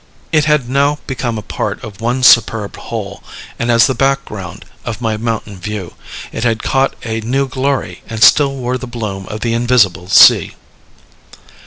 It had now become a part of one superb whole; as the background of my mountain view, it had caught a new glory, and still wore the bloom of the invisible sea.